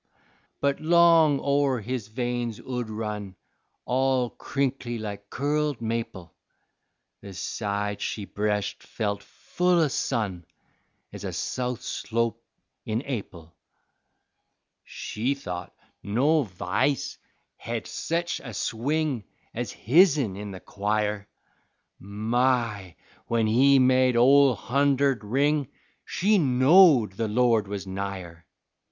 But long o' her his veins 'ould run All crinkly like curled maple, The side she breshed felt full o' sun Ez a south slope in Ap'il. She thought no v'ice hed sech a swing Ez hisn in the choir; My! when he made Ole Hunderd ring, She knowed the Lord was nigher.